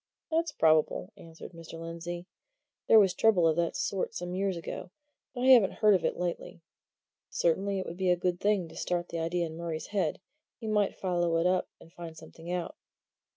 "That's probable," answered Mr. Lindsey. "There was trouble of that sort some years ago, but I haven't heard of it lately. Certainly, it would be a good thing to start the idea in Murray's mind; he might follow it up and find something out."